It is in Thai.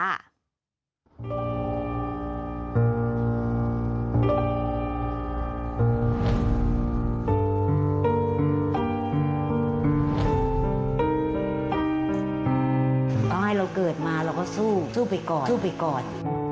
เราให้เราเกิดมาเราก็สู้สู้ไปก่อนสู้ไปก่อน